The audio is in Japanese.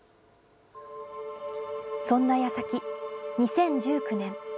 そんなやさき、２０１９年。